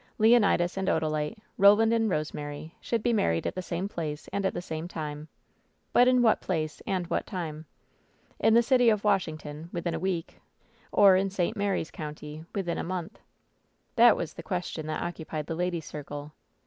Leonidas and Odalite, Roland and Rosemary should be married at the same place and at the same time — ^but in what place and at what time? In the city of Washington, within a week, or in St Mary's County, within a month ? That was the question that occupied the ladies' circle.